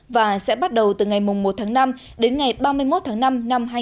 và sẽ bắt đầu từ ngày một tháng năm đến ngày ba mươi một tháng năm năm hai nghìn hai mươi